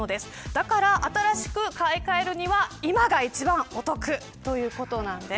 だから、新しく買い替えるには今が一番お得ということです。